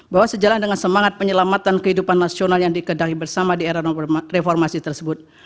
bahwa sejalan dengan semangat penyelamatan kehidupan nasional yang dikedahi bersama di era reformasi tersebut